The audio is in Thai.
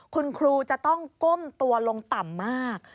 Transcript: คุณครูจะต้องก้มตัวลงต่ำมาก